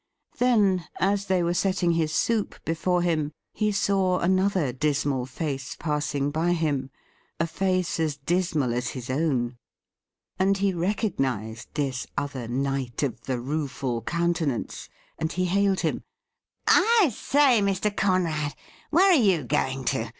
Then, as they were setting his soup before him, he saw another dismal face passing by him — a face as dismal as his own. And he recognised this other Knight of the Rueful Countenance, and he hailed him :' I say, Mr. Conrad, where are you going to